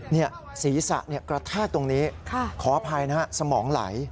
นี่ศรีศะกระท่าตรงนี้ขออภัยนะครับสมองไหล